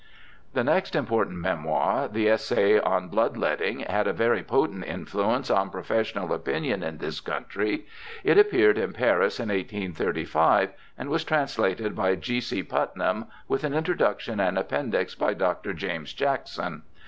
The next important memoir, the essay on Blood letting, had a very potent influence on professional opinion in this country. It appeared in Paris in 1835 and was translated by G. C. Putnam, with an introduc tion and appendix by Dr. James Jackson.